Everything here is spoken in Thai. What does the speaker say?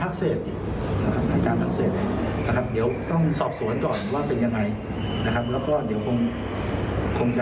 ลักษณะของภาคเศษเขาให้การว่ายังไงบ้าง